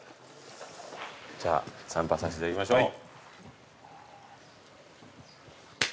じゃあ参拝させていただきましょう。